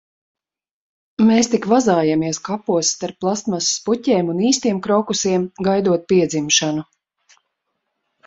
Mēs tik vazājamies kapos starp plastmasas puķēm un īstiem krokusiem, gaidot piedzimšanu.